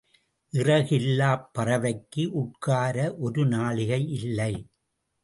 இறகு இல்லாப் பறவைக்கு உட்கார ஒரு நாழிகை இல்லை.